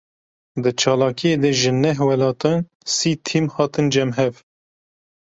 Di çalakiyê de ji neh welatan sî tîm hatin cem hev.